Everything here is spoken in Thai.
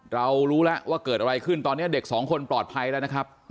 เรารู้แล้วว่าเกิดอะไรขึ้นตอนนี้เด็กสองคนปลอดภัยแล้วนะครับ